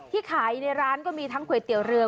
ที่ขายในร้านก็มีทั้งก๋วยเตี๋ยวเรือ